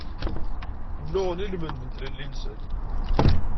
Nnuɣen i lmend n tlelli-nsen.